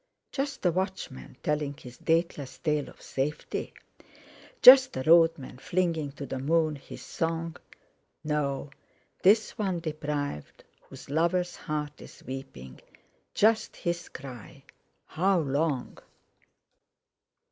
Just the watchman, telling his dateless tale of safety? Just a road man, flinging to the moon his song? "No! Tis one deprived, whose lover's heart is weeping, Just his cry: 'How long?'"